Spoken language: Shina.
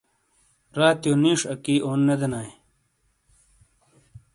راتیو نیش اکی اون نہ دینائیے۔